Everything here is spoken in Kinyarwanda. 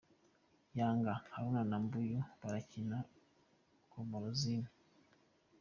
Yanga : Haruna na Mbuyu barakira Komorozine.